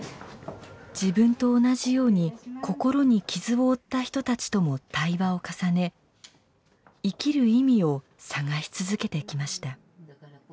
自分と同じように心に傷を負った人たちとも対話を重ね生きる意味を探し続けてきました。